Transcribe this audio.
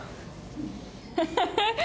ハハハ！